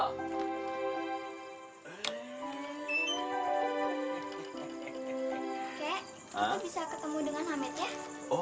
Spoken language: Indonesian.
kek kita bisa ketemu dengan hamid ya